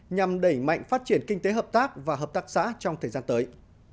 nhằm đẩy mạnh phát triển kinh tế hợp tác và hợp tác xã trong thời gian tới